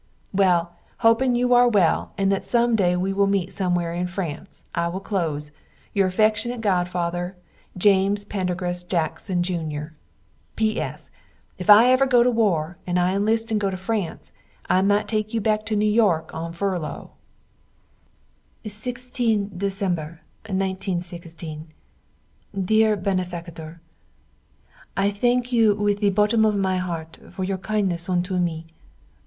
Well, hoping you are well and that some day we will meet somewhere in France, I will close. Your affecshunate godfather, James Prendergast Jackson Jr. P.S. If ever we go to war, and I inlist and go to France I mite take you back to New York on firlow. 16 Dec. 1916. Dear Benefactor, I thank you with the bottom of my heart for your kindness unto me.